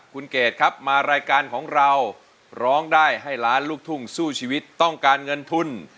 คุณเกดครับมารายการของเราร้องได้ให้ล้านลูกทุ่งสู้ชีวิตต้องการเงินทุน